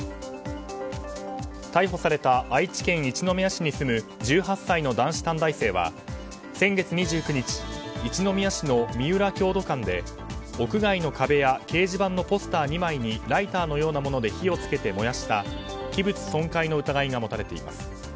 逮捕された愛知県一宮市に住む１８歳の男子短大生は先月２９日、一宮市のみうら郷土館で屋外の壁や掲示板のポスター２枚にライターのようなもので火を付けて燃やした器物損壊の疑いが持たれています。